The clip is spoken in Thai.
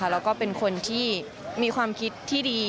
แล้วก็เป็นคนที่มีความคิดที่ดี